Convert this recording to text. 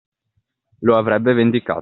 Lo avrebbe vendicato.